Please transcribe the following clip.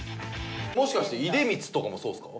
もしかして出光とかもそうですか？